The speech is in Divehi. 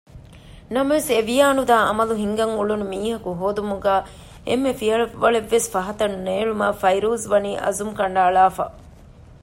ނަމަވެސް އެވިޔާނުދާ ޢަމަލު ހިންގަން އުޅުނު މީހަކު ހޯދުމުގައި އެންމެ ފިޔަވަޅެއްވެސް ފަހަތަށް ނޭޅުމަށް ފައިރޫޒްވަނީ އަޒުމު ކަނޑައަޅާފަ